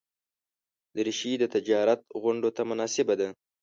دریشي د تجارت غونډو ته مناسبه ده.